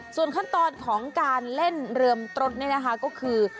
ส่วนขั้นตอนของการเล่นเรือมตรดนี่นะคะก็คือ